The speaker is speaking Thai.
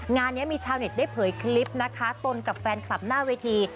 งานนี้มีชาวเน็ตได้เผยคลิปนะคะตนกับแฟนคลับหน้าเวที